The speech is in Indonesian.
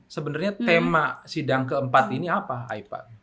sebenarnya tema sidang keempat ini apa aipa